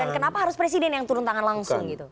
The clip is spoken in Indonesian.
dan kenapa harus presiden yang turun tangan langsung gitu